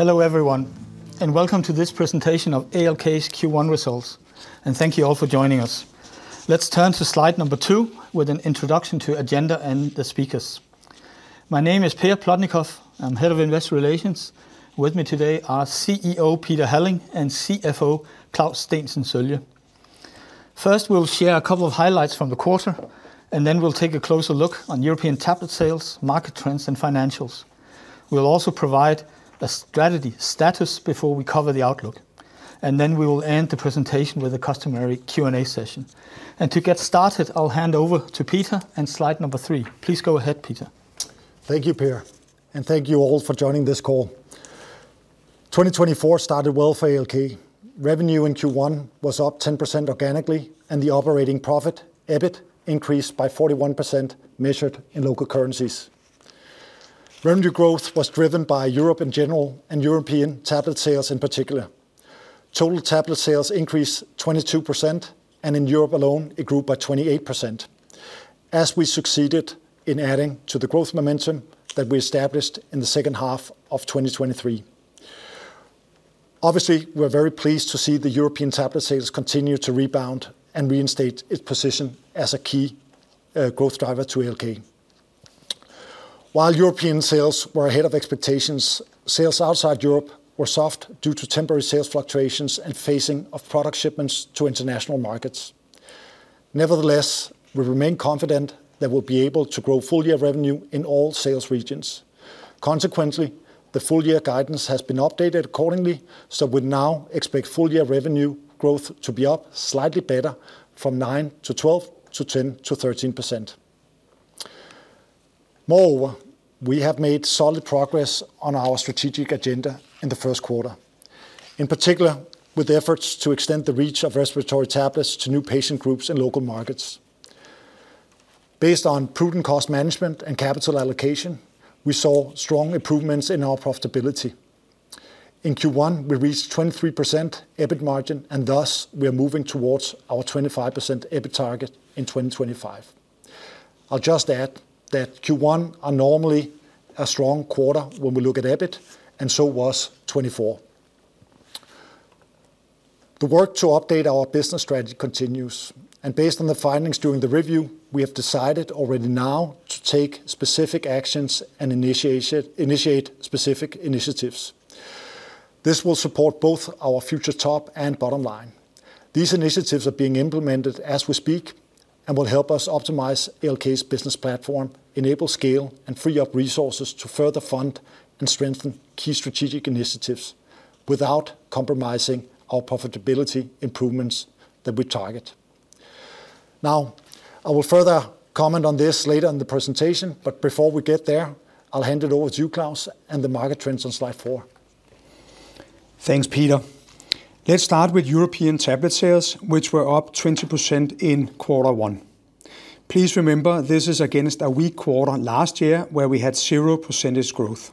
Hello everyone, and welcome to this presentation of ALK's Q1 results, and thank you all for joining us. Let's turn to slide number two with an introduction to agenda and the speakers. My name is Per Plotnikof. I'm Head of Investor Relations. With me today are CEO, Peter Halling, and CFO, Claus Steensen Sølje. First, we'll share a couple of highlights from the quarter, and then we'll take a closer look on European tablet sales, market trends, and financials. We'll also provide a strategy status before we cover the outlook, and then we will end the presentation with a customary Q&A session. To get started, I'll hand over to Peter and slide number three. Please go ahead, Peter. Thank you, Per, and thank you all for joining this call. 2024 started well for ALK. Revenue in Q1 was up 10% organically, and the operating profit, EBIT, increased by 41%, measured in local currencies. Revenue growth was driven by Europe in general and European tablet sales in particular. Total tablet sales increased 22%, and in Europe alone, it grew by 28%, as we succeeded in adding to the growth momentum that we established in the second half of 2023. Obviously, we're very pleased to see the European tablet sales continue to rebound and reinstate its position as a key growth driver to ALK. While European sales were ahead of expectations, sales outside Europe were soft due to temporary sales fluctuations and phasing of product shipments to international markets. Nevertheless, we remain confident that we'll be able to grow full year revenue in all sales regions. Consequently, the full year guidance has been updated accordingly, so we now expect full year revenue growth to be up slightly better from 9%-12% to 10%-13%. Moreover, we have made solid progress on our strategic agenda in the first quarter, in particular, with efforts to extend the reach of respiratory tablets to new patient groups in local markets. Based on prudent cost management and capital allocation, we saw strong improvements in our profitability. In Q1, we reached 23% EBIT margin, and thus, we are moving towards our 25% EBIT target in 2025. I'll just add that Q1 are normally a strong quarter when we look at EBIT, and so was 2024. The work to update our business strategy continues, and based on the findings during the review, we have decided already now to take specific actions and initiate specific initiatives. This will support both our future top and bottom line. These initiatives are being implemented as we speak, and will help us optimize ALK's business platform, enable scale, and free up resources to further fund and strengthen key strategic initiatives without compromising our profitability improvements that we target. Now, I will further comment on this later in the presentation, but before we get there, I'll hand it over to you, Claus, and the market trends on slide four. Thanks, Peter. Let's start with European tablet sales, which were up 20% in quarter one. Please remember, this is against a weak quarter last year, where we had zero percentage growth.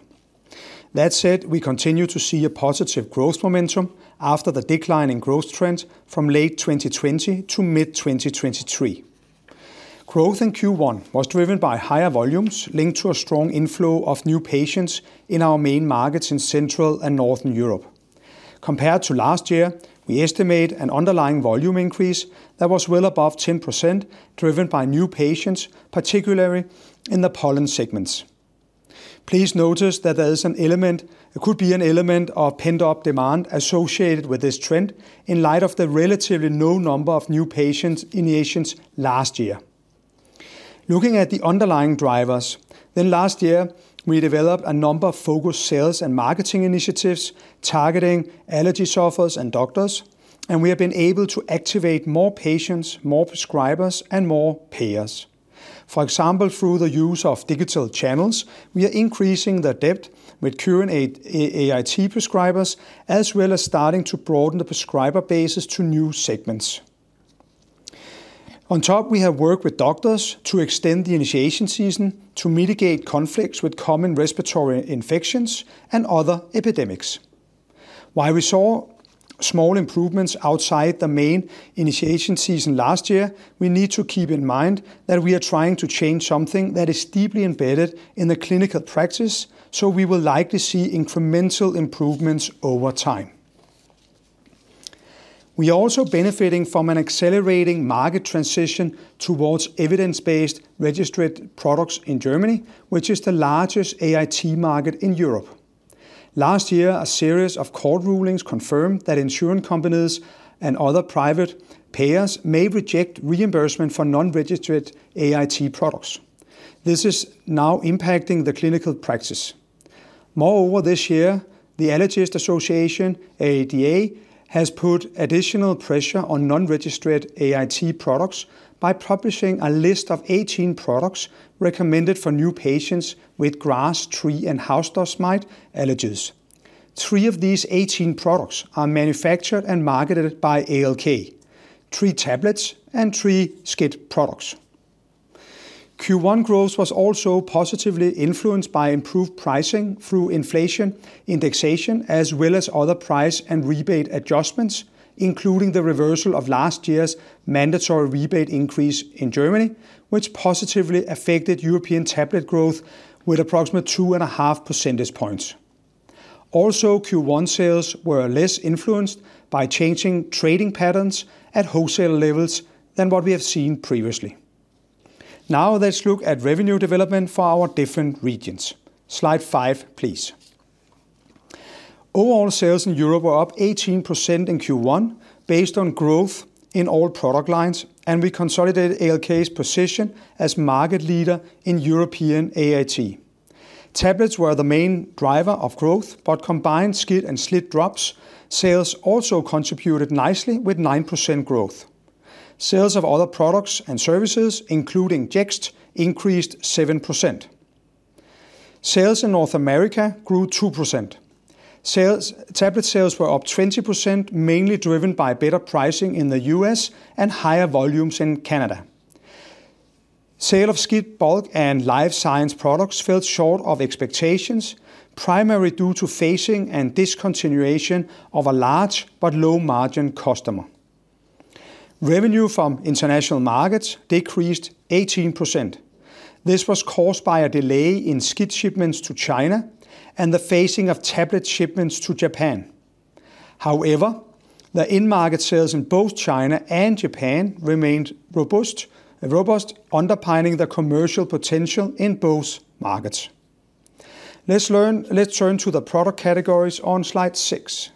That said, we continue to see a positive growth momentum after the decline in growth trend from late 2020 to mid-2023. Growth in Q1 was driven by higher volumes linked to a strong inflow of new patients in our main markets in Central and Northern Europe. Compared to last year, we estimate an underlying volume increase that was well above 10%, driven by new patients, particularly in the pollen segments. Please notice that there is an element, could be an element of pent-up demand associated with this trend in light of the relatively low number of new patients, initiations last year. Looking at the underlying drivers, then last year, we developed a number of focused sales and marketing initiatives targeting allergy sufferers and doctors, and we have been able to activate more patients, more prescribers, and more payers. For example, through the use of digital channels, we are increasing the depth with current AIT prescribers, as well as starting to broaden the prescriber bases to new segments. On top, we have worked with doctors to extend the initiation season to mitigate conflicts with common respiratory infections and other epidemics. While we saw small improvements outside the main initiation season last year, we need to keep in mind that we are trying to change something that is deeply embedded in the clinical practice, so we will likely see incremental improvements over time. We are also benefiting from an accelerating market transition towards evidence-based registered products in Germany, which is the largest AIT market in Europe. Last year, a series of court rulings confirmed that insurance companies and other private payers may reject reimbursement for non-registered AIT products. This is now impacting the clinical practice. Moreover, this year, the Allergist Association, ÄDA, has put additional pressure on non-registered AIT products by publishing a list of 18 products recommended for new patients with grass, tree, and house dust mite allergies. Three of these 18 products are manufactured and marketed by ALK, three tablets and three SCIT products. Q1 growth was also positively influenced by improved pricing through inflation indexation, as well as other price and rebate adjustments, including the reversal of last year's mandatory rebate increase in Germany, which positively affected European tablet growth with approximately 2.5 percentage points. Also, Q1 sales were less influenced by changing trading patterns at wholesale levels than what we have seen previously. Now let's look at revenue development for our different regions. Slide five, please. Overall sales in Europe were up 18% in Q1, based on growth in all product lines, and we consolidated ALK's position as market leader in European AIT. Tablets were the main driver of growth, but combined SCIT and SLIT drops sales also contributed nicely with 9% growth. Sales of other products and services, including Jext, increased 7%. Sales in North America grew 2%. Sales, tablet sales were up 20%, mainly driven by better pricing in the U.S. and higher volumes in Canada. Sales of SCIT, bulk, and life science products fell short of expectations, primarily due to phasing and discontinuation of a large but low-margin customer. Revenue from international markets decreased 18%. This was caused by a delay in SCIT shipments to China and the phasing of tablet shipments to Japan. However, the end market sales in both China and Japan remained robust, underpinning the commercial potential in both markets. Let's turn to the product categories on slide six.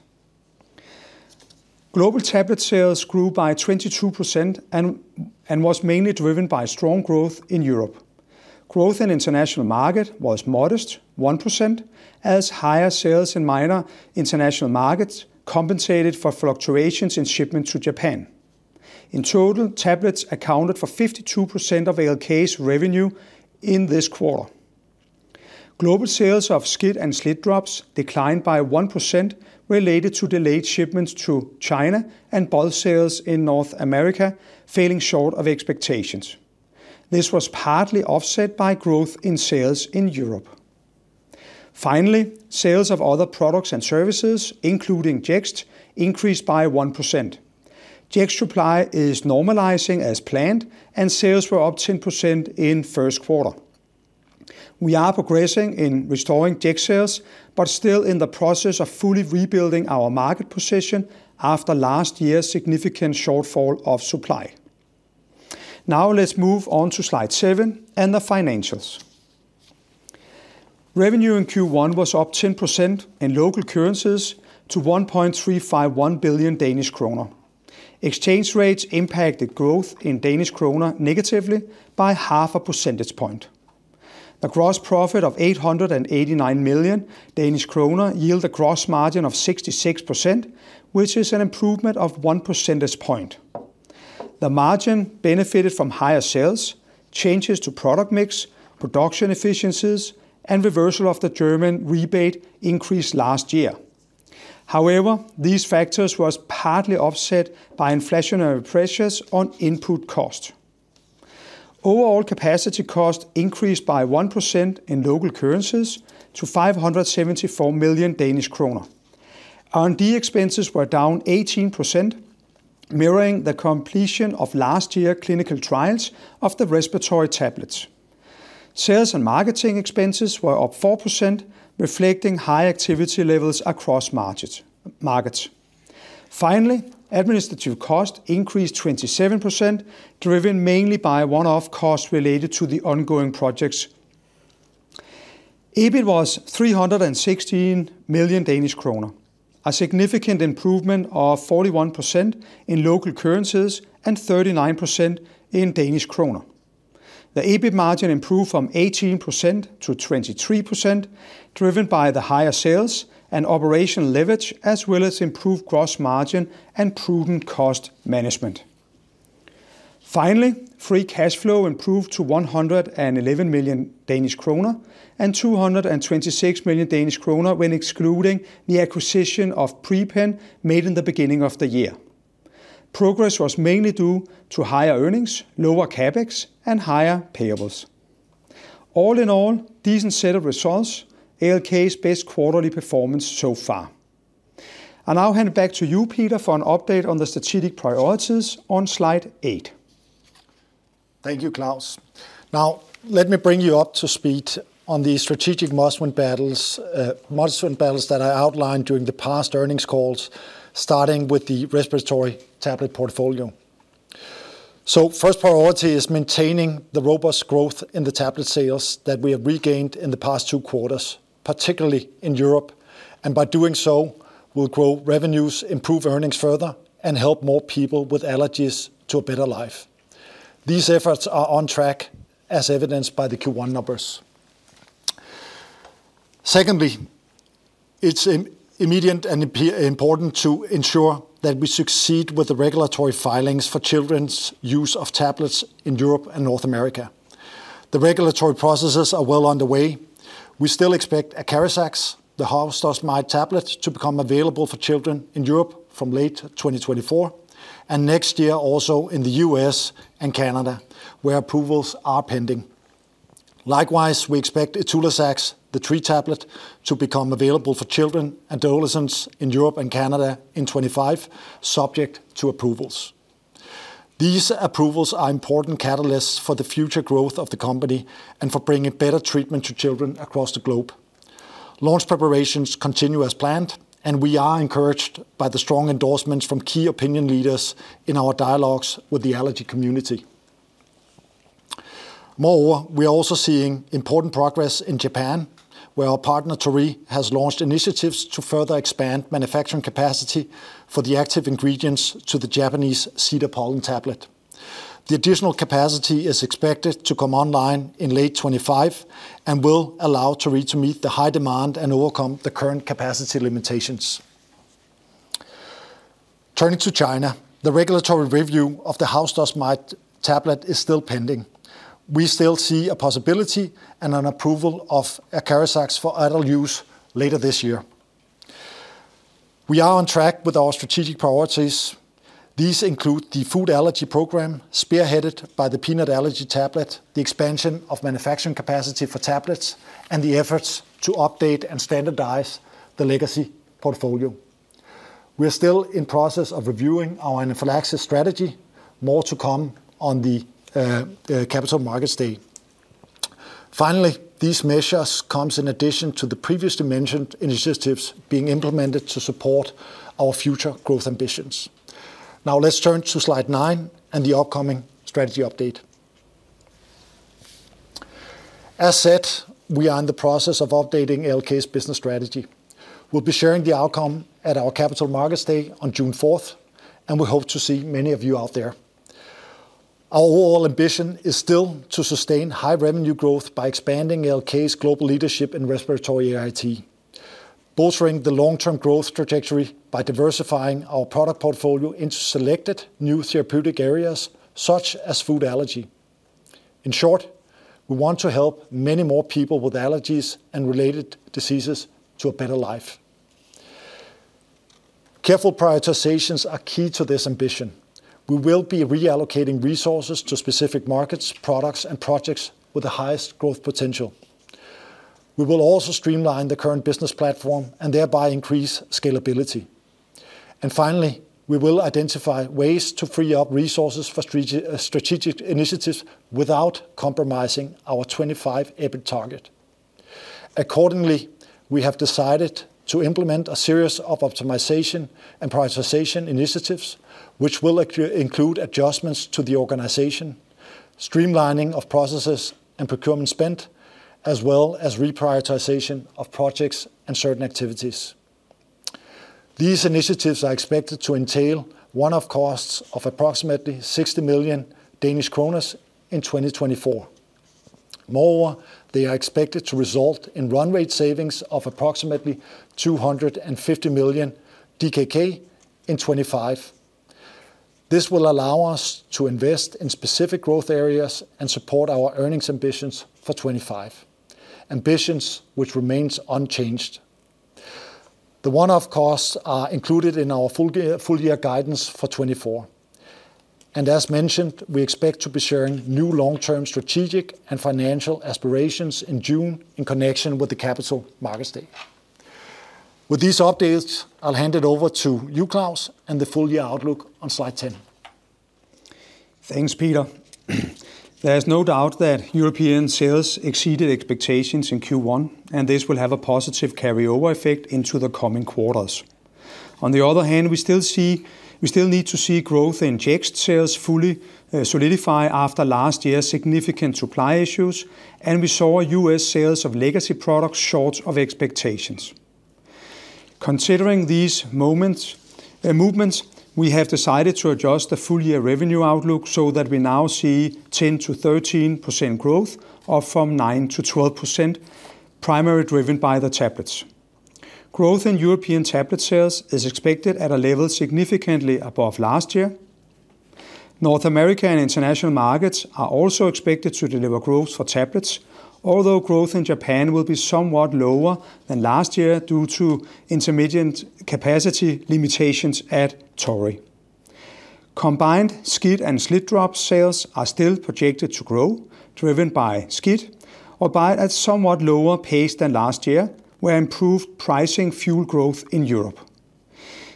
Global tablet sales grew by 22% and was mainly driven by strong growth in Europe. Growth in international market was modest, 1%, as higher sales in minor international markets compensated for fluctuations in shipments to Japan. In total, tablets accounted for 52% of ALK's revenue in this quarter. Global sales of SCIT and SLIT-drops declined by 1% related to delayed shipments to China and bulk sales in North America falling short of expectations. This was partly offset by growth in sales in Europe. Finally, sales of other products and services, including Jext, increased by 1%. Jext supply is normalizing as planned, and sales were up 10% in first quarter. We are progressing in restoring Jext sales, but still in the process of fully rebuilding our market position after last year's significant shortfall of supply. Now let's move on to slide seven and the financials. Revenue in Q1 was up 10% in local currencies to 1.351 billion Danish kroner. Exchange rates impacted growth in Danish kroner negatively by half a percentage point. The gross profit of 889 million Danish kroner yield a gross margin of 66%, which is an improvement of one percentage point. The margin benefited from higher sales, changes to product mix, production efficiencies, and reversal of the German rebate increase last year. However, these factors was partly offset by inflationary pressures on input cost. Overall capacity cost increased by 1% in local currencies to 574 million Danish kroner. R&D expenses were down 18%, mirroring the completion of last year clinical trials of the respiratory tablets. Sales and marketing expenses were up 4%, reflecting high activity levels across markets, markets. Finally, administrative costs increased 27%, driven mainly by one-off costs related to the ongoing projects. EBIT was 316 million Danish kroner, a significant improvement of 41% in local currencies and 39% in Danish kroner. The EBIT margin improved from 18% to 23%, driven by the higher sales and operational leverage, as well as improved gross margin and prudent cost management. Finally, free cash flow improved to 111 million Danish kroner, and 226 million Danish kroner when excluding the acquisition of PRE-PEN made in the beginning of the year. Progress was mainly due to higher earnings, lower CapEx, and higher payables. All in all, decent set of results, ALK's best quarterly performance so far. I now hand it back to you, Peter, for an update on the strategic priorities on slide eight. Thank you, Claus. Now, let me bring you up to speed on the strategic must-win battles, must-win battles that I outlined during the past earnings calls, starting with the respiratory tablet portfolio. First priority is maintaining the robust growth in the tablet sales that we have regained in the past two quarters, particularly in Europe, and by doing so, we'll grow revenues, improve earnings further, and help more people with allergies to a better life. These efforts are on track, as evidenced by the Q1 numbers. Secondly, it's immediate and important to ensure that we succeed with the regulatory filings for children's use of tablets in Europe and North America. The regulatory processes are well underway. We still expect ACARIZAX, the house dust mite tablet, to become available for children in Europe from late 2024, and next year also in the U.S. and Canada, where approvals are pending. Likewise, we expect ITULAZAX, the tree tablet, to become available for children and adolescents in Europe and Canada in 2025, subject to approvals. These approvals are important catalysts for the future growth of the company and for bringing better treatment to children across the globe. Launch preparations continue as planned, and we are encouraged by the strong endorsements from key opinion leaders in our dialogues with the allergy community. Moreover, we are also seeing important progress in Japan, where our partner, Torii, has launched initiatives to further expand manufacturing capacity for the active ingredients to the Japanese cedar pollen tablet. The additional capacity is expected to come online in late 2025 and will allow Torii to meet the high demand and overcome the current capacity limitations. Turning to China, the regulatory review of the house dust mite tablet is still pending. We still see a possibility and an approval of ACARIZAX for adult use later this year. We are on track with our strategic priorities. These include the food allergy program, spearheaded by the peanut allergy tablet, the expansion of manufacturing capacity for tablets, and the efforts to update and standardize the legacy portfolio. We are still in process of reviewing our anaphylaxis strategy. More to come on the, the Capital Markets Day. Finally, these measures comes in addition to the previously mentioned initiatives being implemented to support our future growth ambitions. Now, let's turn to slide nine and the upcoming strategy update. As said, we are in the process of updating ALK's business strategy. We'll be sharing the outcome at our Capital Markets Day on June 4th, and we hope to see many of you out there. Our overall ambition is still to sustain high revenue growth by expanding ALK's global leadership in respiratory AIT, bolstering the long-term growth trajectory by diversifying our product portfolio into selected new therapeutic areas, such as food allergy. In short, we want to help many more people with allergies and related diseases to a better life. Careful prioritizations are key to this ambition. We will be reallocating resources to specific markets, products, and projects with the highest growth potential. We will also streamline the current business platform and thereby increase scalability. And finally, we will identify ways to free up resources for strategic initiatives without compromising our 2025 EBIT target. Accordingly, we have decided to implement a series of optimization and prioritization initiatives, which will include adjustments to the organization, streamlining of processes and procurement spend, as well as reprioritization of projects and certain activities. These initiatives are expected to entail one-off costs of approximately 60 million Danish kroner in 2024. Moreover, they are expected to result in run rate savings of approximately 250 million DKK in 2025. This will allow us to invest in specific growth areas and support our earnings ambitions for 2025, ambitions which remains unchanged. The one-off costs are included in our full-year guidance for 2024, and as mentioned, we expect to be sharing new long-term strategic and financial aspirations in June in connection with the capital market state. With these updates, I'll hand it over to you, Claus, and the full year outlook on slide 10. Thanks, Peter. There is no doubt that European sales exceeded expectations in Q1, and this will have a positive carryover effect into the coming quarters. On the other hand, we still see-- we still need to see growth in Jext sales fully solidify after last year's significant supply issues, and we saw U.S. sales of legacy products short of expectations. Considering these movements, we have decided to adjust the full-year revenue outlook so that we now see 10%-13% growth, up from 9%-12%, primarily driven by the tablets. Growth in European tablet sales is expected at a level significantly above last year. North America and international markets are also expected to deliver growth for tablets, although growth in Japan will be somewhat lower than last year due to intermittent capacity limitations at Torii. Combined SCIT and SLIT drops sales are still projected to grow, driven by SCIT, albeit at somewhat lower pace than last year, where improved pricing fuel growth in Europe.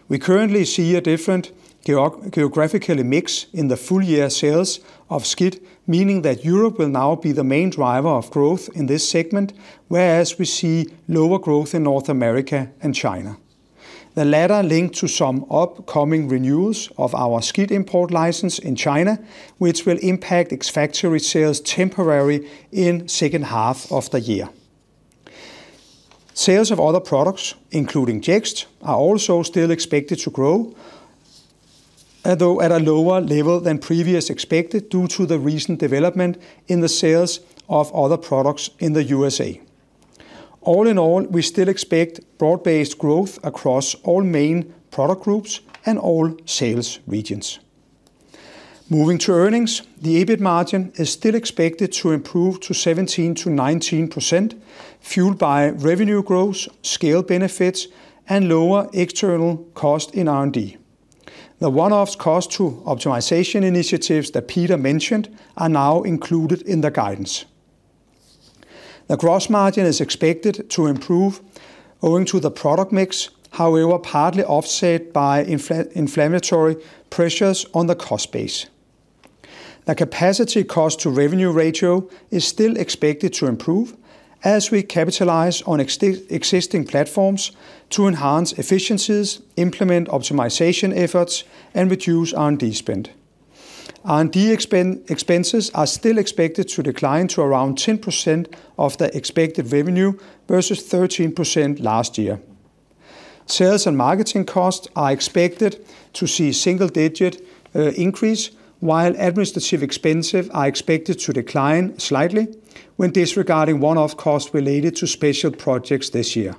We currently see a different geographically mix in the full year sales of SCIT, meaning that Europe will now be the main driver of growth in this segment, whereas we see lower growth in North America and China. The latter linked to some upcoming renewals of our SCIT import license in China, which will impact ex-factory sales temporarily in second half of the year. Sales of other products, including Jext, are also still expected to grow, although at a lower level than previous expected, due to the recent development in the sales of other products in the USA. All in all, we still expect broad-based growth across all main product groups and all sales regions. Moving to earnings, the EBIT margin is still expected to improve to 17%-19%, fueled by revenue growth, scale benefits, and lower external cost in R&D. The one-off costs to optimization initiatives that Peter mentioned are now included in the guidance. The gross margin is expected to improve owing to the product mix, however, partly offset by inflationary pressures on the cost base. The capacity cost to revenue ratio is still expected to improve as we capitalize on existing platforms to enhance efficiencies, implement optimization efforts, and reduce R&D spend. R&D expenses are still expected to decline to around 10% of the expected revenue, versus 13% last year. Sales and marketing costs are expected to see single-digit increase, while administrative expenses are expected to decline slightly when disregarding one-off costs related to special projects this year.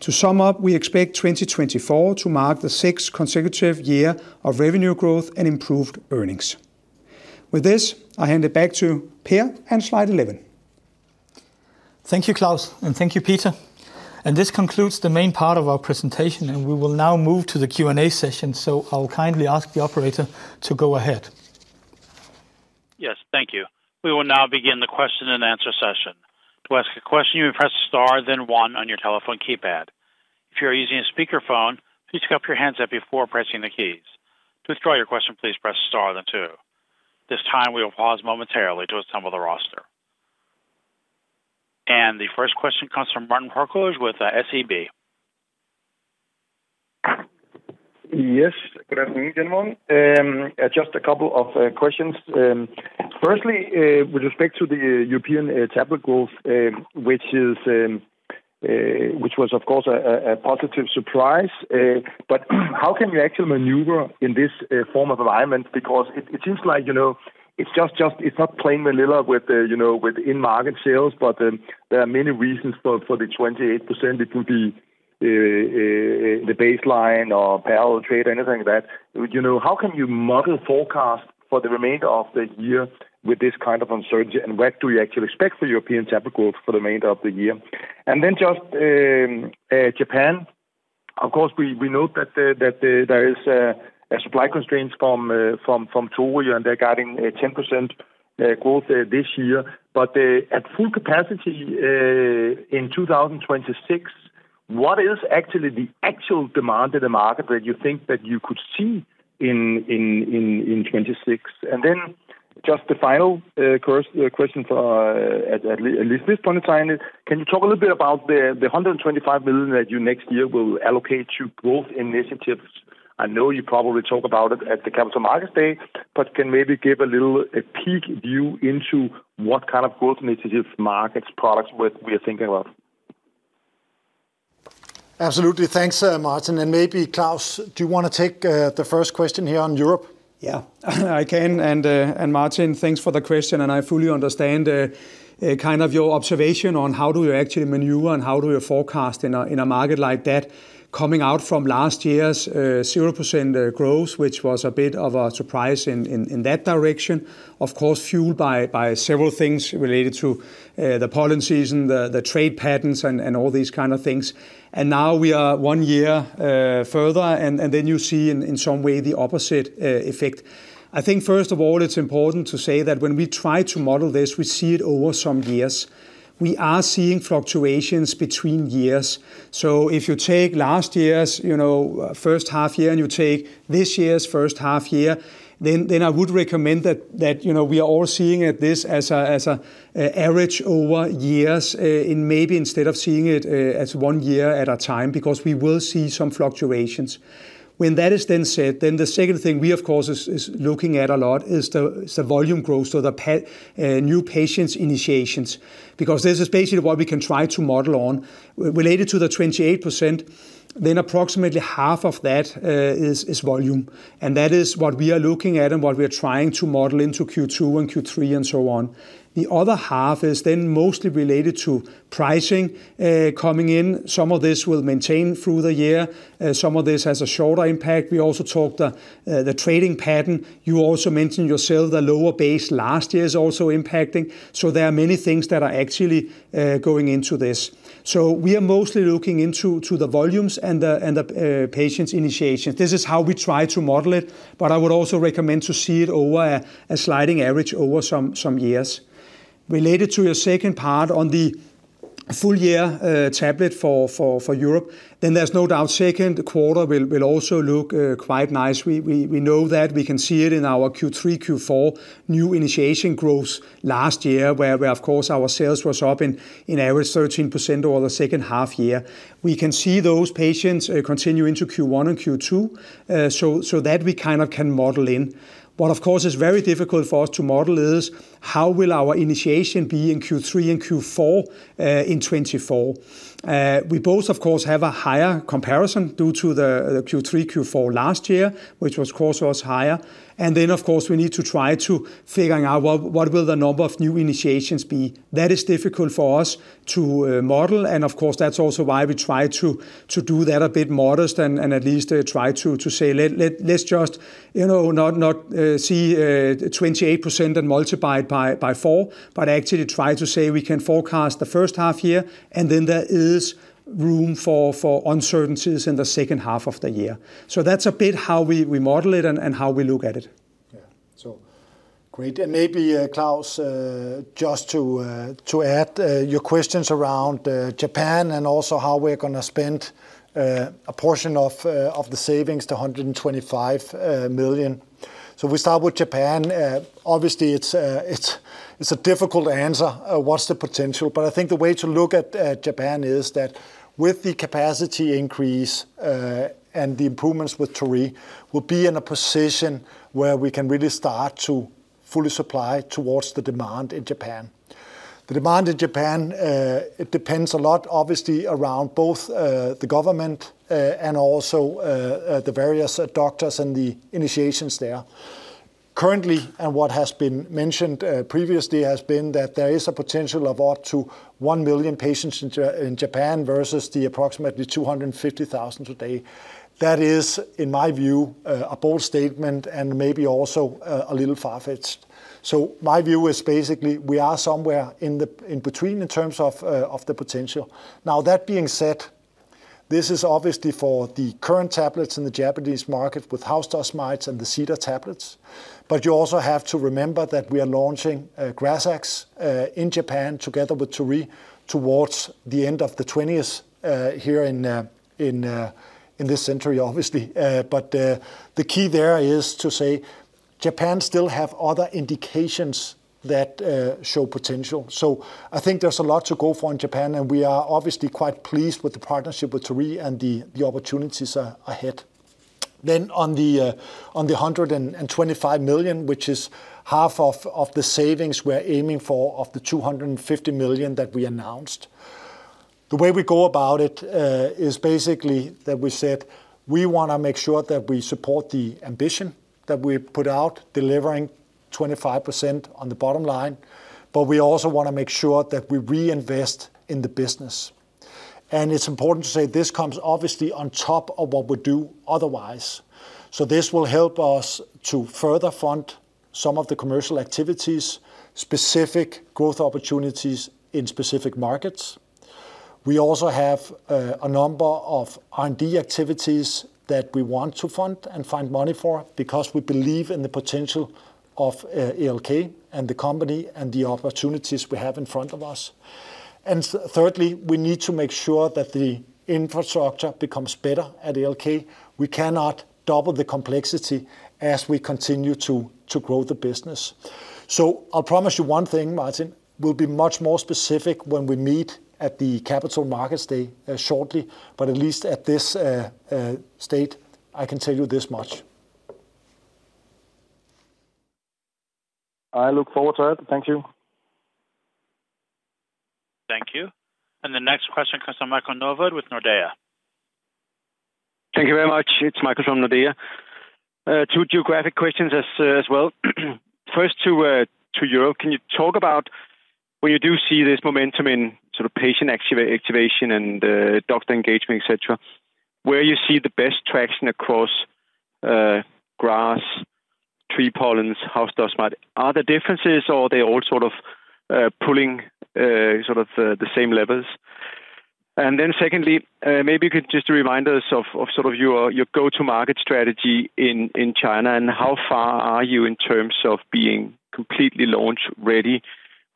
To sum up, we expect 2024 to mark the sixth consecutive year of revenue growth and improved earnings. With this, I hand it back to Per and slide 11. Thank you, Claus, and thank you, Peter. This concludes the main part of our presentation, and we will now move to the Q&A session. I'll kindly ask the operator to go ahead. Yes, thank you. We will now begin the question-and-answer session. To ask a question, you will press star, then one on your telephone keypad. If you are using a speakerphone, please pick up the handset before pressing the keys. To withdraw your question, please press star, then two. This time, we will pause momentarily to assemble the roster. The first question comes from Martin Parkhøi with SEB. Yes, good afternoon, gentlemen. Just a couple of questions. Firstly, with respect to the European tablet growth, which was, of course, a positive surprise, but how can you actually maneuver in this form of alignment? Because it seems like, you know, it's just, it's not playing vanilla with the, you know, with in-market sales, but there are many reasons for the 28%. It could be the baseline or parallel trade, anything like that. You know, how can you model forecast for the remainder of the year with this kind of uncertainty? And what do you actually expect for European tablet growth for the remainder of the year? And then just Japan. Of course, we note that there is a supply constraints from Tokyo, and they're guiding a 10% growth this year, but at full capacity in 2026, what is actually the actual demand in the market that you think that you could see in 2026? And then just the final question for at least this point in time is, can you talk a little bit about the 125 million that you next year will allocate to growth initiatives? I know you probably talk about it at the Capital Markets Day, but can maybe give a little peek view into what kind of growth initiatives, markets, products we are thinking about. Absolutely. Thanks, Martin. And maybe, Claus, do you want to take the first question here on Europe? Yeah, I can. And, Martin, thanks for the question, and I fully understand kind of your observation on how do you actually maneuver and how do you forecast in a market like that, coming out from last year's 0% growth, which was a bit of a surprise in that direction. Of course, fueled by several things related to the policies and the trade patterns and all these kind of things. And now we are one year further, and then you see in some way the opposite effect. I think, first of all, it's important to say that when we try to model this, we see it over some years. We are seeing fluctuations between years. So if you take last year's, you know, first half year, and you take this year's first half year, then I would recommend that you know, we are all seeing this as an average over years, and maybe instead of seeing it as one year at a time, because we will see some fluctuations. When that is said, the second thing we of course is looking at a lot is the volume growth, so the new patient initiations, because this is basically what we can try to model on. Related to the 28%, then approximately half of that is volume. And that is what we are looking at and what we are trying to model into Q2 and Q3 and so on. The other half is then mostly related to pricing, coming in. Some of this will maintain through the year, some of this has a shorter impact. We also talked the trading pattern. You also mentioned yourself, the lower base last year is also impacting. So there are many things that are actually going into this. So we are mostly looking into the volumes and the patients initiations. This is how we try to model it, but I would also recommend to see it over a sliding average over some years. Related to your second part on the full year, tablet for Europe, then there's no doubt second quarter will also look quite nice. We know that. We can see it in our Q3, Q4 new initiation growth last year, where we, of course, our sales was up in average 13% over the second half year. We can see those patients continue into Q1 and Q2, so, so that we kind of can model in. What, of course, is very difficult for us to model is how will our initiation be in Q3 and Q4 in 2024? We both, of course, have a higher comparison due to the Q3, Q4 last year, which was course was higher. And then, of course, we need to try to figuring out what will the number of new initiations be. That is difficult for us to model, and of course, that's also why we try to do that a bit modest and at least try to say, "Let's just, you know, not see 28% and multiply it by four," but actually try to say we can forecast the first half year, and then there is room for uncertainties in the second half of the year. So that's a bit how we model it and how we look at it. So great, and maybe, Claus, just to add your questions around Japan and also how we're gonna spend a portion of the savings, the 125 million. We start with Japan. Obviously, it's difficult to answer what's the potential? But I think the way to look at Japan is that with the capacity increase and the improvements with Torii, we'll be in a position where we can really start to fully supply towards the demand in Japan. The demand in Japan, it depends a lot, obviously, around both the government and also the various doctors and the initiations there. Currently, and what has been mentioned, previously, has been that there is a potential of up to 1 million patients in Japan, versus the approximately 250,000 today. That is, in my view, a bold statement and maybe also, a little far-fetched. So my view is basically we are somewhere in the, in between in terms of, of the potential. Now, that being said, this is obviously for the current tablets in the Japanese market, with house dust mites and the cedar tablets, but you also have to remember that we are launching, GRAZAX, in Japan together with Torii, towards the end of the 20th, here in, in, in this century, obviously. But, the key there is to say Japan still have other indications that, show potential. I think there's a lot to go for in Japan, and we are obviously quite pleased with the partnership with Torii and the opportunities ahead. Then on the 125 million, which is half of the savings we're aiming for, of the 250 million that we announced. The way we go about it is basically that we said, "We wanna make sure that we support the ambition that we put out, delivering 25% on the bottom line, but we also wanna make sure that we reinvest in the business." It's important to say this comes obviously on top of what we do otherwise. This will help us to further fund some of the commercial activities, specific growth opportunities in specific markets. We also have a number of R&D activities that we want to fund and find money for, because we believe in the potential of ALK, and the company, and the opportunities we have in front of us. Thirdly, we need to make sure that the infrastructure becomes better at ALK. We cannot double the complexity as we continue to grow the business. So I'll promise you one thing, Martin, we'll be much more specific when we meet at the Capital Markets Day shortly, but at least at this state, I can tell you this much. I look forward to it. Thank you. Thank you. The next question comes from Michael Novod with Nordea. Thank you very much. It's Michael from Nordea. Two geographic questions as well. First, to Europe, can you talk about when you do see this momentum in sort of patient activation and, doctor engagement, et cetera, where you see the best traction across, grass, tree pollens, house dust mite? Are there differences or are they all sort of pulling sort of the same levels? And then secondly, maybe you could just remind us of sort of your go-to-market strategy in China, and how far are you in terms of being completely launch-ready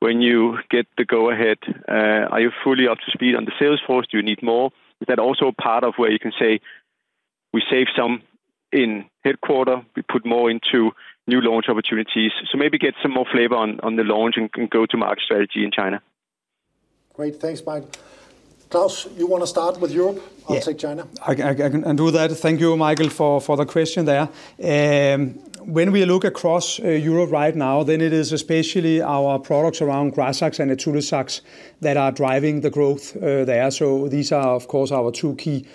when you get the go ahead? Are you fully up to speed on the sales force? Do you need more? Is that also part of where you can say, "We saved some in headquarters, we put more into new launch opportunities?" So maybe get some more flavor on the launch and go-to-market strategy in China. Great. Thanks, Mike. Claus, you wanna start with Europe? Yeah. I'll take China. I can do that. Thank you, Michael, for the question there. When we look across Europe right now, then it is especially our products around GRAZAX and ACARIZAX that are driving the growth there. So these are, of course, our two key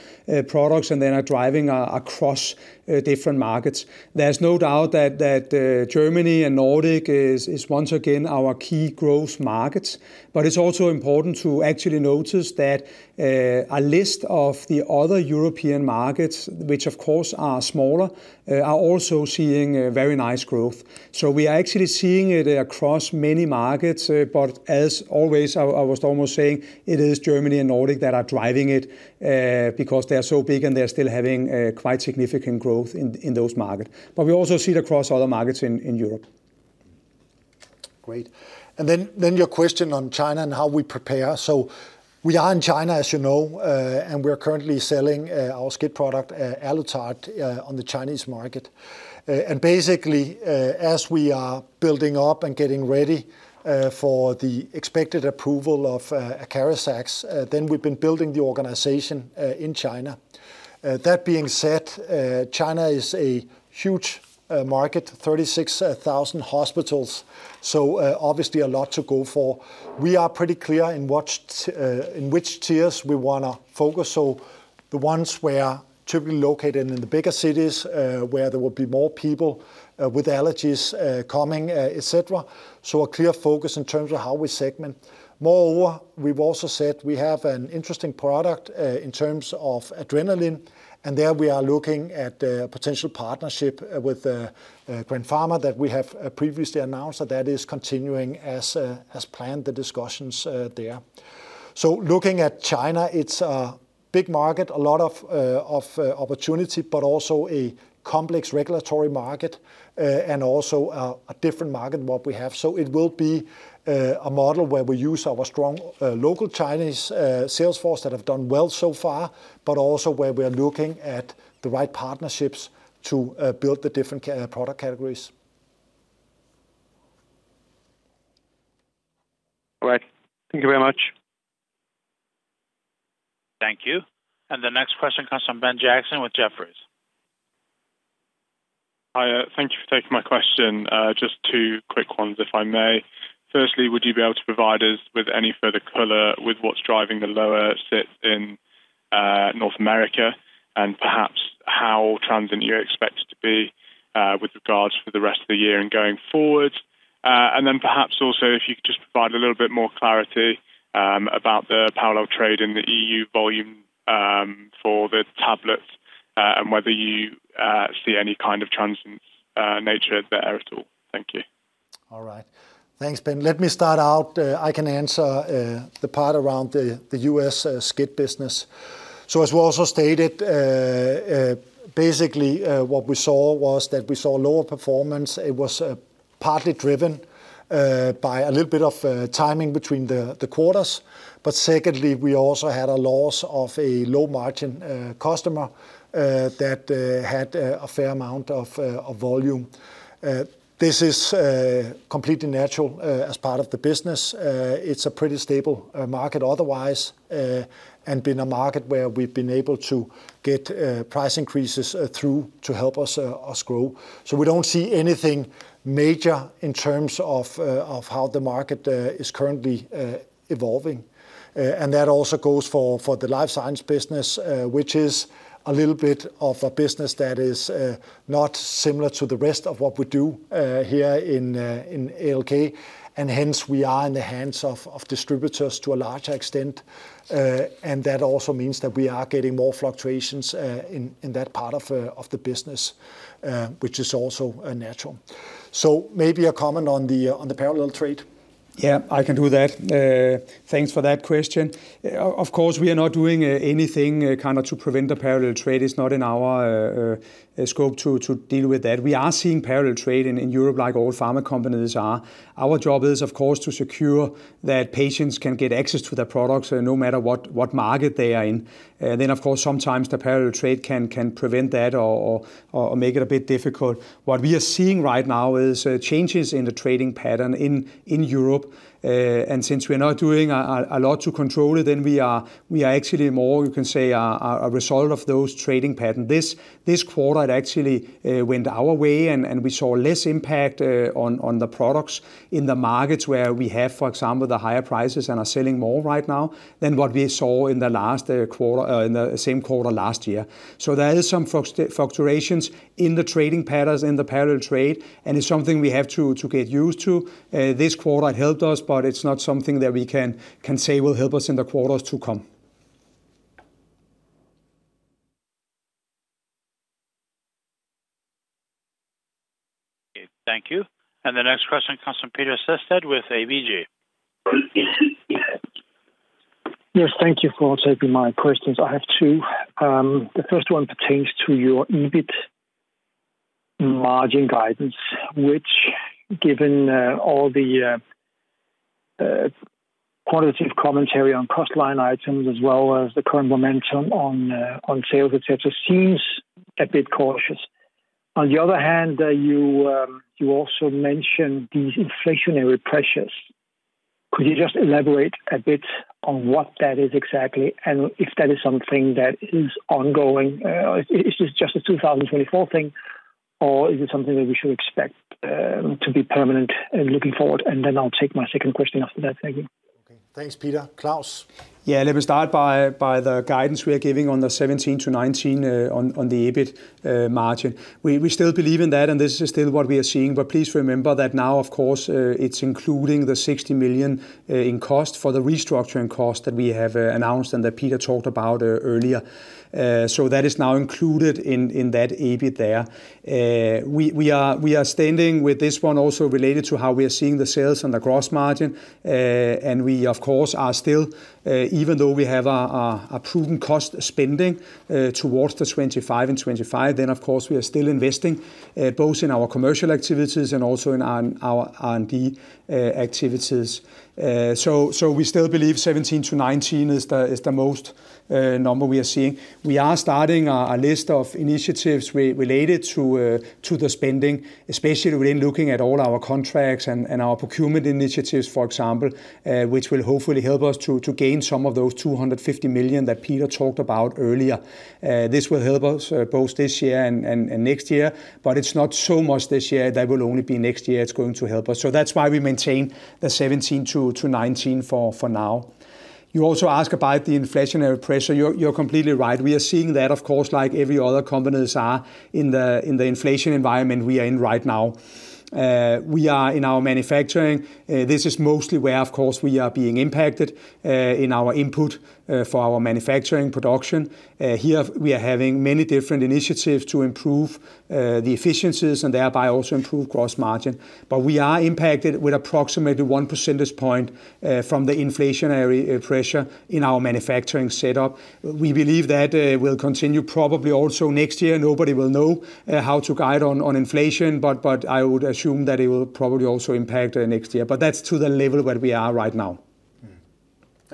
products, and they are driving across different markets. There's no doubt that Germany and Nordic is once again our key growth markets, but it's also important to actually notice that a list of the other European markets, which of course are smaller, are also seeing a very nice growth. So we are actually seeing it across many markets, but as always, I was almost saying it is Germany and Nordic that are driving it, because they are so big and they're still having quite significant growth in those markets. But we also see it across other markets in Europe. Great. And then your question on China and how we prepare. So we are in China, as you know, and we're currently selling our skin product, ALUTARD, on the Chinese market. And basically, as we are building up and getting ready for the expected approval of ACARIZAX, then we've been building the organization in China. That being said, China is a huge market, 36,000 hospitals, so obviously a lot to go for. We are pretty clear in what, in which tiers we wanna focus. So the ones where typically located in the bigger cities, where there will be more people with allergies coming, et cetera. So a clear focus in terms of how we segment. Moreover, we've also said we have an interesting product in terms of adrenaline, and there we are looking at a potential partnership with Grand Pharma that we have previously announced, that that is continuing as planned, the discussions there. So looking at China, it's big market, a lot of opportunity, but also a complex regulatory market, and also a different market than what we have. So it will be a model where we use our strong local Chinese sales force that have done well so far, but also where we are looking at the right partnerships to build the different product categories. All right. Thank you very much. Thank you. The next question comes from Ben Jackson with Jefferies. Hi, thank you for taking my question. Just two quick ones, if I may. Firstly, would you be able to provide us with any further color on what's driving the lower SCIT in North America? And perhaps how trends in year expected to be with regards to the rest of the year and going forward? And then perhaps also if you could just provide a little bit more clarity about the parallel trade in the EU volume for the tablets, and whether you see any kind of transient nature there at all. Thank you. All right. Thanks, Ben. Let me start out. I can answer the part around the U.S. SCIT business. So as we also stated, basically, what we saw was that we saw lower performance. It was partly driven by a little bit of timing between the quarters. But secondly, we also had a loss of a low margin customer that had a fair amount of volume. This is completely natural as part of the business. It's a pretty stable market otherwise, and been a market where we've been able to get price increases through to help us grow. So we don't see anything major in terms of how the market is currently evolving. And that also goes for the life science business, which is a little bit of a business that is not similar to the rest of what we do here in ALK, and hence, we are in the hands of distributors to a large extent. And that also means that we are getting more fluctuations in that part of the business, which is also natural. So maybe a comment on the parallel trade. Yeah, I can do that. Thanks for that question. Of course, we are not doing anything kind of to prevent the parallel trade. It's not in our scope to deal with that. We are seeing parallel trade in Europe, like all pharma companies are. Our job is, of course, to secure that patients can get access to their products, no matter what market they are in. Then, of course, sometimes the parallel trade can prevent that or make it a bit difficult. What we are seeing right now is changes in the trading pattern in Europe. And since we're not doing a lot to control it, then we are—we are actually more, you can say, are a result of those trading pattern. This quarter, it actually went our way, and we saw less impact on the products in the markets where we have, for example, the higher prices and are selling more right now than what we saw in the last quarter in the same quarter last year. So there is some fluctuations in the trading patterns, in the parallel trade, and it's something we have to get used to. This quarter, it helped us, but it's not something that we can say will help us in the quarters to come. Okay, thank you. The next question comes from Peter Sehested with ABG. Yes, thank you for taking my questions. I have two. The first one pertains to your EBIT margin guidance, which, given all the qualitative commentary on cost line items, as well as the current momentum on sales, et cetera, seems a bit cautious. On the other hand, you also mentioned these inflationary pressures. Could you just elaborate a bit on what that is exactly, and if that is something that is ongoing? Is this just a 2024 thing, or is it something that we should expect to be permanent looking forward? And then I'll take my second question after that. Thank you. Okay. Thanks, Peter. Claus? Yeah, let me start by the guidance we are giving on the 17%-19% EBIT margin. We still believe in that, and this is still what we are seeing, but please remember that now, of course, it's including the 60 million in cost for the restructuring cost that we have announced and that Peter talked about earlier. So that is now included in that EBIT there. We are standing with this one also related to how we are seeing the sales and the gross margin. And we, of course, are still, even though we have a proven cost spending towards 2025 and 2025, then of course, we are still investing both in our commercial activities and also in our R&D activities. So, so we still believe 17%-19% is the, is the most, number we are seeing. We are starting a, a list of initiatives related to, to the spending, especially when looking at all our contracts and, and our procurement initiatives, for example, which will hopefully help us to, to gain some of those 250 million that Peter talked about earlier. This will help us, both this year and, and, and next year, but it's not so much this year. That will only be next year, it's going to help us. So that's why we maintain the 17%-19% for, for now. You also ask about the inflationary pressure. You're, you're completely right. We are seeing that, of course, like every other companies are in the, in the inflation environment we are in right now. We are in our manufacturing. This is mostly where, of course, we are being impacted in our input for our manufacturing production. Here, we are having many different initiatives to improve the efficiencies and thereby also improve gross margin. But we are impacted with approximately one percentage point from the inflationary pressure in our manufacturing setup. We believe that will continue probably also next year. Nobody will know how to guide on inflation, but I would assume that it will probably also impact next year. But that's to the level where we are right now.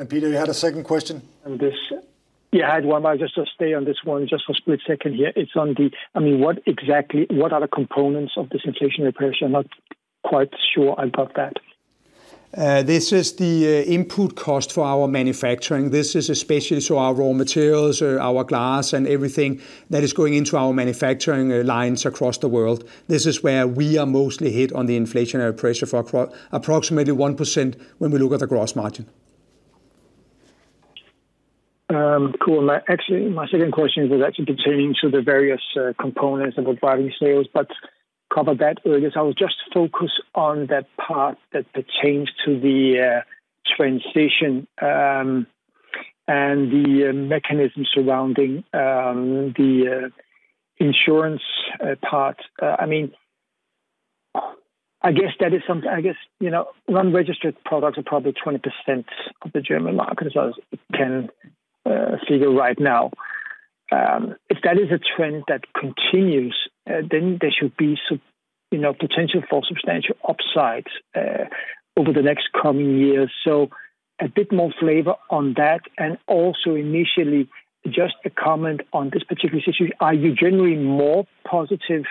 Peter, you had a second question? On this? Yeah, I had one. I just to stay on this one just for a split second here. It's on the, I mean, what exactly, what are the components of this inflationary pressure? I'm not quite sure about that. This is the input cost for our manufacturing. This is especially so our raw materials or our glass and everything that is going into our manufacturing lines across the world. This is where we are mostly hit on the inflationary pressure for approximately 1% when we look at the gross margin. Cool. Actually, my second question was actually pertaining to the various components of the driving sales, but covered that earlier. So I'll just focus on that part, the change to the transition, and the mechanism surrounding the insurance part. I mean, I guess that is something. I guess, you know, unregistered products are probably 20% of the German market, as I can figure right now. If that is a trend that continues, then there should be some, you know, potential for substantial upsides over the next coming years. So a bit more flavor on that, and also initially, just a comment on this particular situation. Are you generally more positive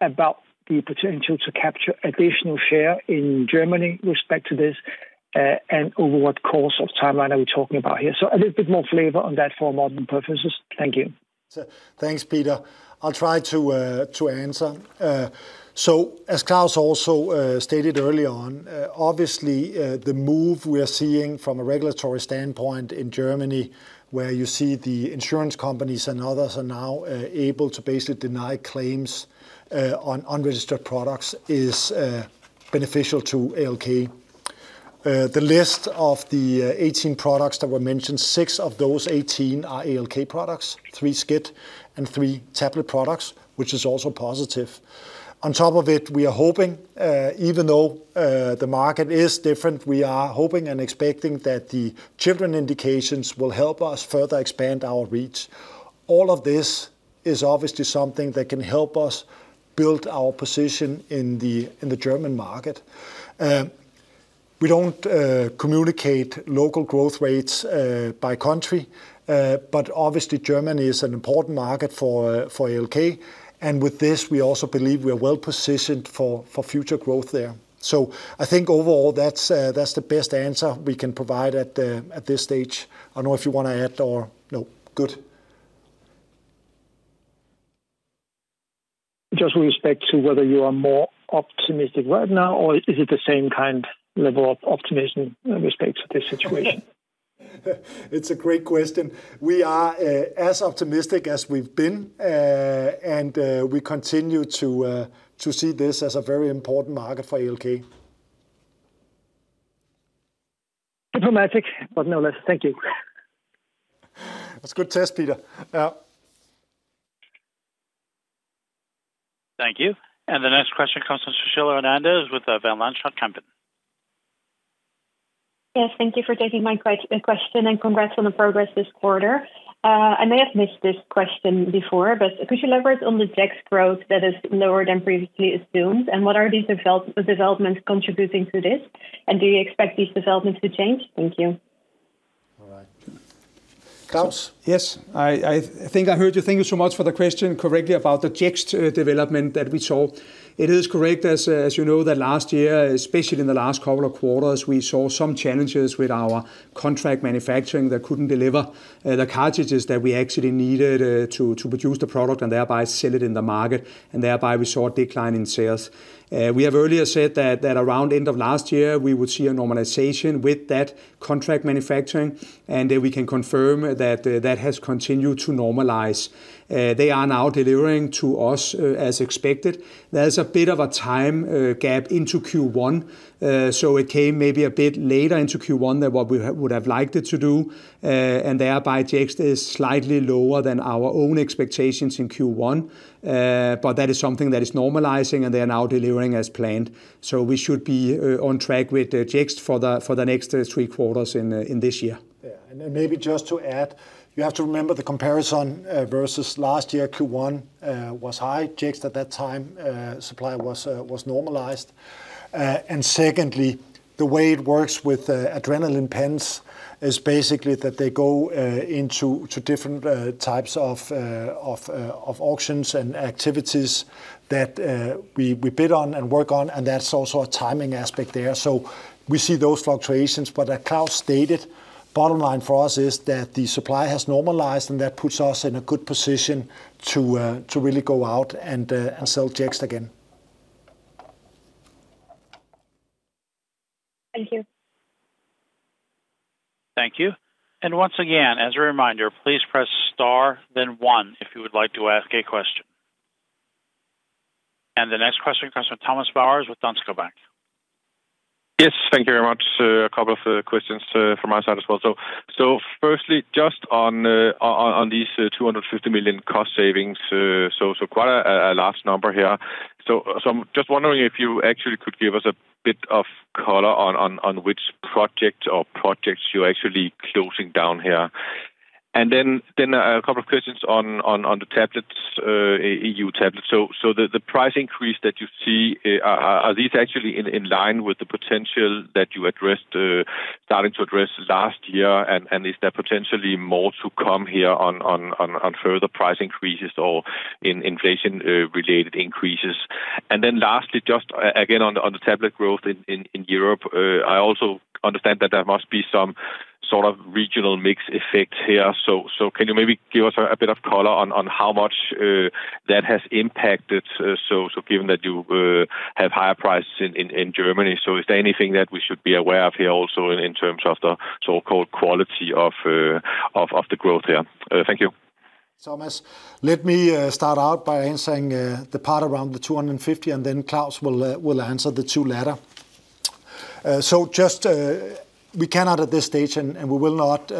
about the potential to capture additional share in Germany with respect to this, and over what course of timeline are we talking about here? A little bit more flavor on that for model purposes. Thank you. Thanks, Peter. I'll try to answer. So as Claus also stated early on, obviously, the move we are seeing from a regulatory standpoint in Germany, where you see the insurance companies and others are now able to basically deny claims on unregistered products, is beneficial to ALK. The list of the 18 products that were mentioned, six of those 18 are ALK products, three SCIT and three tablet products, which is also positive. On top of it, we are hoping, even though the market is different, we are hoping and expecting that the children indications will help us further expand our reach. All of this is obviously something that can help us build our position in the, in the German market. We don't communicate local growth rates by country, but obviously, Germany is an important market for ALK, and with this, we also believe we are well positioned for future growth there. So I think overall, that's the best answer we can provide at this stage. I don't know if you want to add or, no? Good. Just with respect to whether you are more optimistic right now, or is it the same kind level of optimism in respect to this situation? It's a great question. We are as optimistic as we've been, and we continue to see this as a very important market for ALK. Diplomatic, but no less. Thank you. That's a good test, Peter. Yeah. Thank you. And the next question comes from Sushila Hernandez, with Van Lanschot Kempen. Yes, thank you for taking my question, and congrats on the progress this quarter. I may have missed this question before, but could you elaborate on the Jext growth that is lower than previously assumed? And what are these developments contributing to this? And do you expect these developments to change? Thank you. All right. Claus? Yes, I think I heard you. Thank you so much for the question, correctly, about the Jext development that we saw. It is correct, as you know, that last year, especially in the last couple of quarters, we saw some challenges with our contract manufacturing that couldn't deliver the cartridges that we actually needed to produce the product and thereby sell it in the market, and thereby, we saw a decline in sales. We have earlier said that around end of last year, we would see a normalization with that contract manufacturing, and we can confirm that that has continued to normalize. They are now delivering to us as expected. There's a bit of a time gap into Q1, so it came maybe a bit later into Q1 than what we would have liked it to do, and thereby, Jext is slightly lower than our own expectations in Q1. But that is something that is normalizing, and they are now delivering as planned. So we should be on track with the Jext for the next three quarters in this year. Yeah, and then maybe just to add, you have to remember the comparison versus last year, Q1 was high. Jext at that time, supply was normalized. And secondly, the way it works with adrenaline pens is basically that they go into two different types of auctions and activities that we bid on and work on, and that's also a timing aspect there. So we see those fluctuations, but as Claus stated, bottom line for us is that the supply has normalized, and that puts us in a good position to really go out and sell Jext again. Thank you. Thank you. And once again, as a reminder, please press star, then one, if you would like to ask a question. And the next question comes from Thomas Bowers with Danske Bank. Yes, thank you very much, sir. A couple of questions from my side as well. So, firstly, just on these 250 million cost savings, so quite a large number here. So, I'm just wondering if you actually could give us a bit of color on which project or projects you're actually closing down here? And then, a couple of questions on the tablets, EU tablets. So, the price increase that you see, are these actually in line with the potential that you addressed, starting to address last year? And, is there potentially more to come here on further price increases or in inflation related increases? And then lastly, just again, on the tablet growth in Europe, I also understand that there must be some sort of regional mix effect here. So, can you maybe give us a bit of color on how much that has impacted? So, given that you have higher prices in Germany, is there anything that we should be aware of here also in terms of the so-called quality of the growth here? Thank you. Thomas, let me start out by answering the part around the 250 million, and then Claus will answer the two latter. So just, we cannot at this stage, and we will not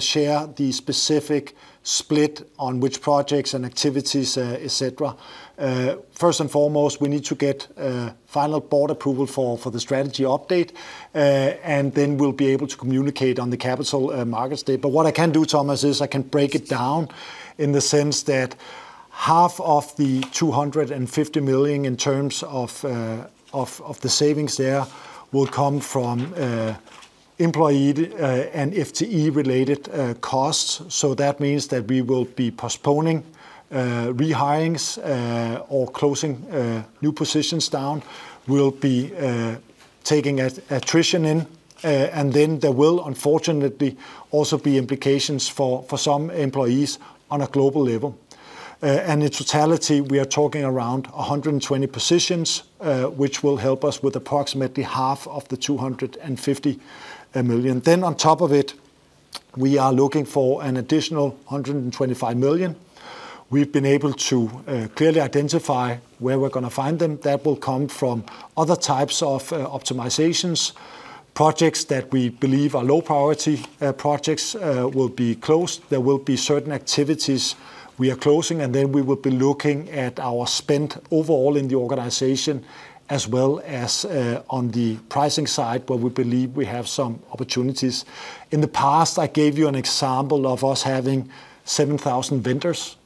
share the specific split on which projects and activities, et cetera. First and foremost, we need to get final board approval for the strategy update, and then we'll be able to communicate on the Capital Markets Day. But what I can do, Thomas, is I can break it down in the sense that half of the 250 million, in terms of the savings there, will come from employee and FTE-related costs. So that means that we will be postponing rehirings or closing new positions down. We'll be taking attrition in, and then there will unfortunately also be implications for some employees on a global level. And in totality, we are talking around 120 positions, which will help us with approximately half of the 250 million. Then on top of it, we are looking for an additional 125 million. We've been able to clearly identify where we're gonna find them. That will come from other types of optimizations, projects that we believe are low priority, projects will be closed. There will be certain activities we are closing, and then we will be looking at our spend overall in the organization, as well as on the pricing side, where we believe we have some opportunities. In the past, I gave you an example of us having 7,000 vendors,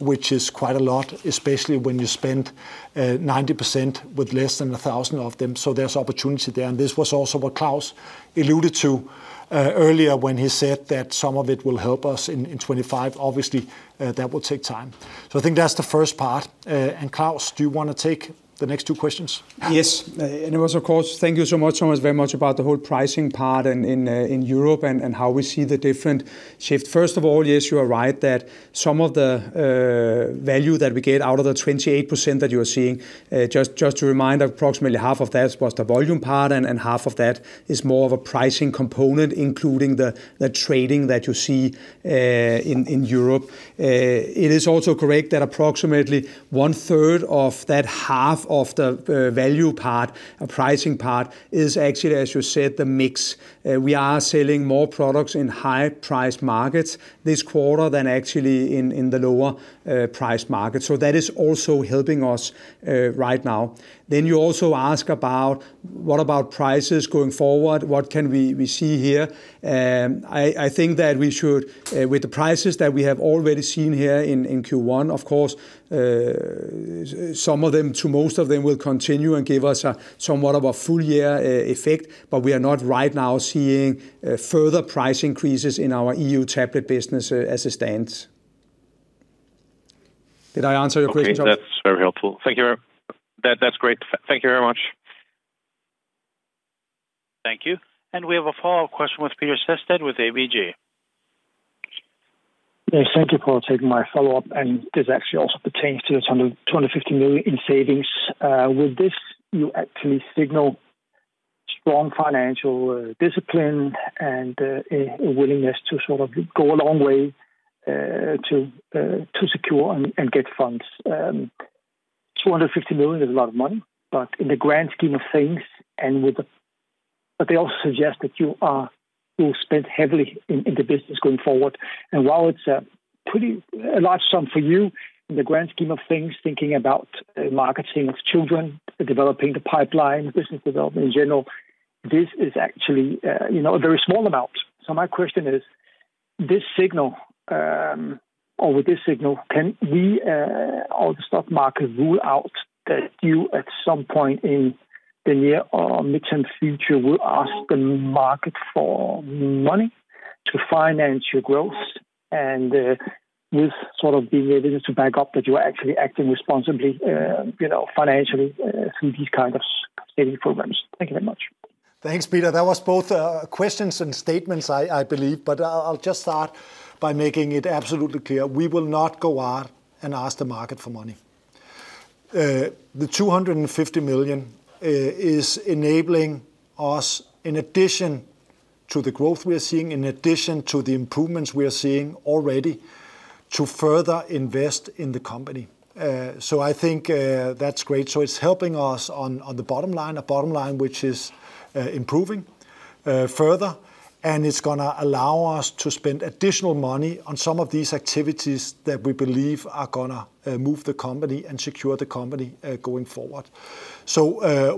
which is quite a lot, especially when you spend 90% with less than 1,000 of them, so there's opportunity there. And this was also what Claus alluded to earlier, when he said that some of it will help us in 2025. Obviously, that will take time. So I think that's the first part. And Claus, do you want to take the next two questions? Yes. And it was, of course, thank you so much, Thomas, very much about the whole pricing part in Europe and how we see the different shift. First of all, yes, you are right, that some of the value that we get out of the 28% that you are seeing, just to remind, approximately half of that was the volume part, and half of that is more of a pricing component, including the trading that you see in Europe. It is also correct that approximately one third of that half of the value part, pricing part, is actually, as you said, the mix. We are selling more products in high priced markets this quarter than actually in the lower priced market. So that is also helping us right now. Then you also ask about what about prices going forward? What can we see here? I think that we should with the prices that we have already seen here in Q1, of course, some of them to most of them will continue and give us somewhat of a full year effect, but we are not right now seeing further price increases in our EU tablet business as it stands. Did I answer your question? Okay. That's very helpful. Thank you. That, that's great. Thank you very much. Thank you. And we have a follow-up question with Peter Sehested with ABG. Thank you for taking my follow-up, and this actually also pertains to the 250 million in savings. With this, you actually signal strong financial discipline and a willingness to sort of go a long way to secure and get funds. 250 million is a lot of money, but in the grand scheme of things, and with them, but they also suggest that you are, you will spend heavily in the business going forward. And while it's a pretty large sum for you, in the grand scheme of things, thinking about marketing with children, developing the pipeline, business development in general, this is actually, you know, a very small amount. So my question is, with this signal, can we or the stock market rule out that you, at some point in the near or mid-term future, will ask the market for money to finance your growth? And, with sort of being able to back up that you are actually acting responsibly, you know, financially, through these kind of saving programs. Thank you very much. Thanks, Peter. That was both questions and statements, I believe, but I'll just start by making it absolutely clear, we will not go out and ask the market for money. The 250 million is enabling us, in addition to the growth we are seeing, in addition to the improvements we are seeing already, to further invest in the company. So I think that's great. So it's helping us on the bottom line, a bottom line which is improving further, and it's gonna allow us to spend additional money on some of these activities that we believe are gonna move the company and secure the company going forward. So,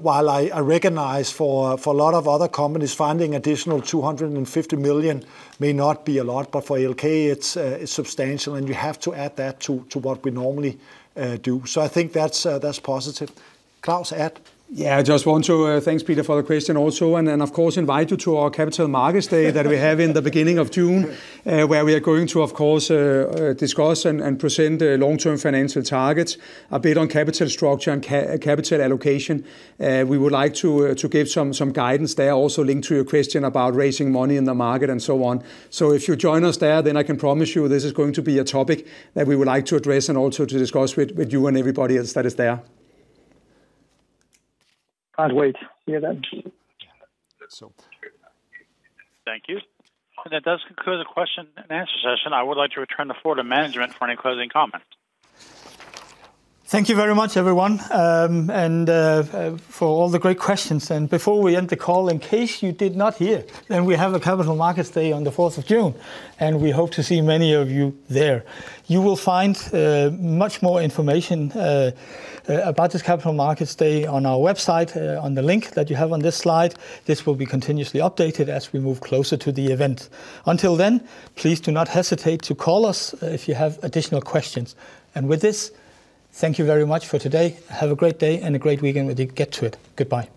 while I recognize for a lot of other companies, finding additional 250 million may not be a lot, but for ALK it's substantial, and you have to add that to what we normally do. So I think that's positive. Claus, add? Yeah, I just want to thanks, Peter, for the question also, and then, of course, invite you to our Capital Markets Day—that we have in the beginning of June, where we are going to, of course, discuss and present the long-term financial targets, a bit on capital structure and capital allocation. We would like to give some guidance there, also linked to your question about raising money in the market and so on. So if you join us there, then I can promise you this is going to be a topic that we would like to address and also to discuss with you and everybody else that is there. Can't wait to hear that. Thank you. That does conclude the question and answer session. I would like to return the floor to management for any closing comments. Thank you very much, everyone, and for all the great questions. Before we end the call, in case you did not hear, then we have a Capital Markets Day on the 4th of June, and we hope to see many of you there. You will find much more information about this Capital Markets Day on our website, on the link that you have on this slide. This will be continuously updated as we move closer to the event. Until then, please do not hesitate to call us if you have additional questions. And with this, thank you very much for today. Have a great day and a great weekend, when you get to it. Goodbye.